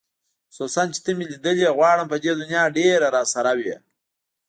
خصوصاً چې ته مې لیدلې غواړم په دې دنیا ډېره راسره وې